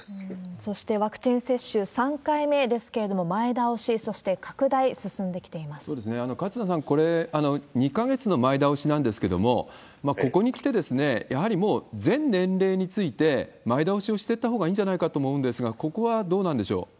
そして、ワクチン接種、３回目ですけれども、前倒し、そして勝田さん、これ、２か月の前倒しなんですけれども、ここにきて、やはりもう全年齢について前倒しをしてったほうがいいんじゃないかと思うんですが、ここはどうなんでしょう？